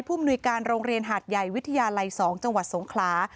มนุยการโรงเรียนหาดใหญ่วิทยาลัย๒จังหวัดสงขลา